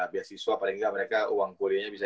biaya siswa paling gak mereka uang kuliahnya bisa